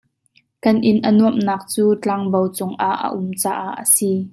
Kan inn a nuamhnak cu tlangbo cungah a um caah a si.